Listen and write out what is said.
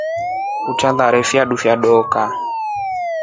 Utarare fiatu fya dookafo.